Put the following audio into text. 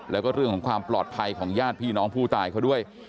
แล้วก็เรื่องของความปลอดภัยของญาติพี่น้องผู้ตายเขาด้วย